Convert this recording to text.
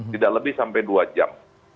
tidak lebih sampai dua jam